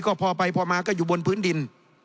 ก็พอไปพอมาก็อยู่บนพื้นดิน